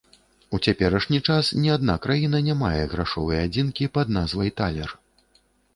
У цяперашні час ні адна краіна не мае грашовай адзінкі пад назвай талер.